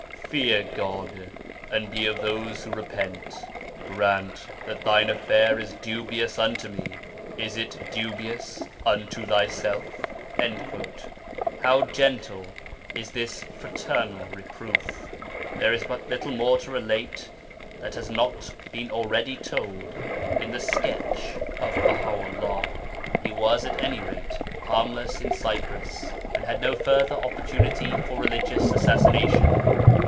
Fear God, and be of those who repent. Grant that thine affair is dubious unto me; is it dubious unto thyself?' How gentle is this fraternal reproof! There is but little more to relate that has not been already told in the sketch of Baha 'ullah. He was, at any rate, harmless in Cyprus, and had no further opportunity for religious assassination.